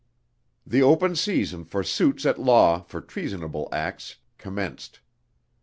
The open season for suits at law for treasonable acts commenced.